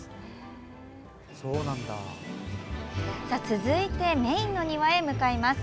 続いてメインの庭へ向かいます。